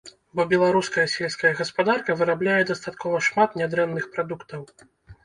Бо беларуская сельская гаспадарка вырабляе дастаткова шмат нядрэнных прадуктаў.